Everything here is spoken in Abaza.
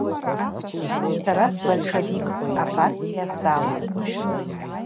Сара сбальшавикпӏ, апартия салапӏ.